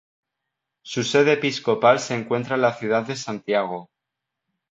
Su sede episcopal se encuentra en la ciudad de Santiago.